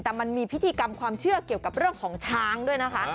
แต่มันมีพิธีกรรมความเชื่อเกี่ยวกับเรื่องของช้างด้วยนะคะ